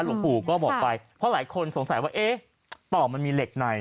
หลวงปู่ก็บอกไปเพราะหลายคนสงสัยว่าเอ๊ะต่อมันมีเหล็กใน